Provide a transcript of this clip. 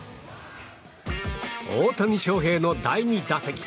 大谷翔平の第２打席。